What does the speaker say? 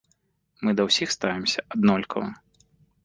Мы да ўсіх ставімся аднолькава.